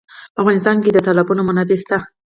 په افغانستان کې د تالابونه منابع شته.